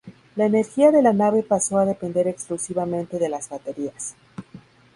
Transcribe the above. La energía de la nave pasó a depender exclusivamente de las baterías.